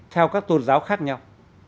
theo các tôn giáo khác nhau